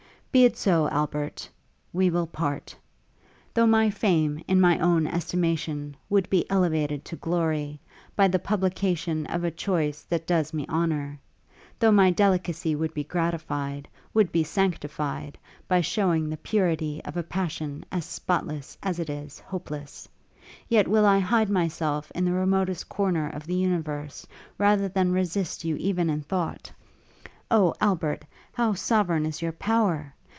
'Be it so, Albert ... we will part! Though my fame, in my own estimation, would be elevated to glory; by the publication of a choice that does me honour; though my delicacy would be gratified, would be sanctified, by shewing the purity of a passion as spotless as it is hopeless yet will I hide myself in the remotest corner of the universe, rather than resist you even in thought. O Albert! how sovereign is your power!